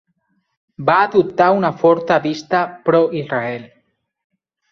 Va adoptar una forta vista Pro-Israel.